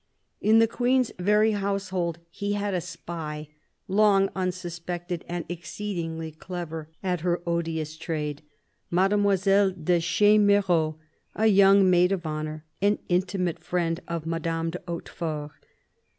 In the Queen's very household he had a spy, long unsuspected and exceedingly clever at her odious trade, Mademoiselle de Ch6merault, a young maid of honour, an intimate friend of Madame de Hautefort.